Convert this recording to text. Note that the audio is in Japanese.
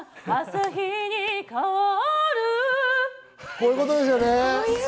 こういうことですね。